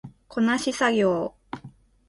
こなし作業